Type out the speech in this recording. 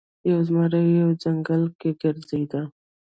یو زمری په یوه ځنګل کې ګرځیده.